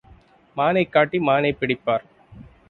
மானைக் காட்டி மானைப் பிடிப்பார்.